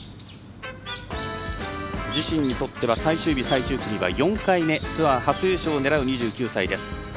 自身にとっては最終日、最終組は４回目、ツアー初優勝を狙う２９歳です。